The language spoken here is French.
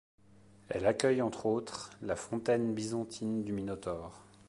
Elle accueille entre autres la fontaine bisontine du Minotaure.